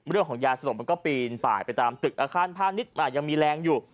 เรื่องของยาสนกมันก็ปีนไปไปตามตึกอาคารผ้านิดยังมีแรงอยู่